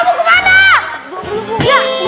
bu bu latter